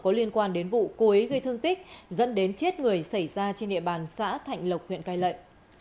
có liên quan đến vụ cuối gây thương tích dẫn đến chết người xảy ra trên địa bàn xã thạnh lộc huyện cai lậy